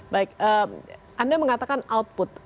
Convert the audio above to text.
baik anda mengatakan output